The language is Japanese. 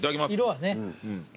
色はね。